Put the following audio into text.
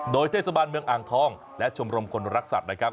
โดยเทศบาลเมืองอ่างทองและชมรมคนรักสัตว์นะครับ